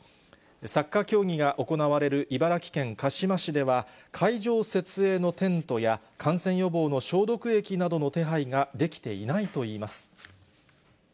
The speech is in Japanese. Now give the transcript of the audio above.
サッカー競技が行われる茨城県鹿嶋市では、会場設営のテントや感染予防の消毒液などの手配ができていないといいます。